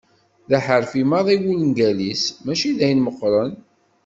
D aḥerfi maḍi wungal-is, mačči d ayen meqqren.